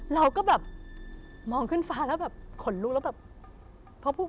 เราก็แบบมองขึ้นฟ้าแล้วแบบขนลุกแล้วแบบ